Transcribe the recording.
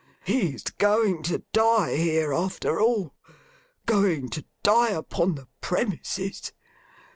He's going to die here, after all. Going to die upon the premises.